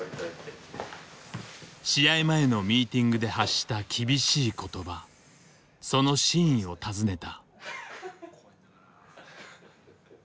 試合前のミーティングで発した厳しい言葉その真意を尋ねた。